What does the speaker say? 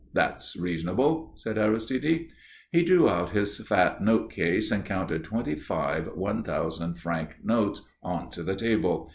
"That's reasonable," said Aristide. He drew out his fat note case and counted twenty five one thousand franc notes on to the table.